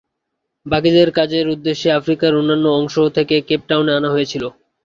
বাকিদের কাজের উদ্দেশে আফ্রিকার অন্যান্য অংশ থেকে কেপ টাউনে আনা হয়েছিল।